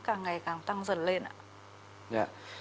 càng ngày càng tăng dần lên